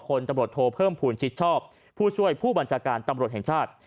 คนตำรวจโทเพิ่มภูมิชิดชอบผู้ช่วยผู้บัญชาการตำรวจแห่งชาติ